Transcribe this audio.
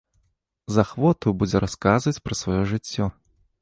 З ахвотаю будзе расказваць пра сваё жыццё.